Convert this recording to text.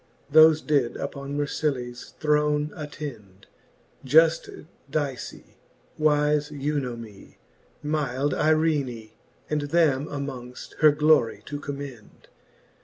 Thofe did upon Mercillaes throne attend : Juft Dice^ wife Eunomie^ myld Eirene, And them amongft, her glorie to commend.